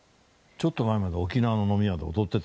ちょっと前まで沖縄の飲み屋で踊ってた。